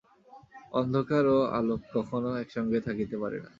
অন্ধকার ও আলোক কখনও এক সঙ্গে থাকিতে পারে না।